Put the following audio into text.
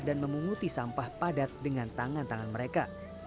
dan memunguti sampah padat dengan tangan tangan mereka